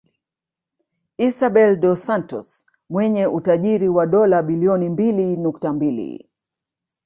Isabel dos Santos mwenye utajiri wa dola bilioni mbili nukta mbili